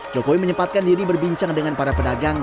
jokowi menyempatkan diri berbincang dengan para pedagang